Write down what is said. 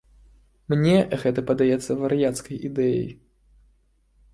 Мне гэта падаецца вар'яцкай ідэяй.